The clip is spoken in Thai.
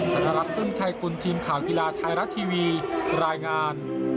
ธนรัฐพึ่งไทยกุลทีมข่าวกีฬาไทยรัฐทีวีรายงาน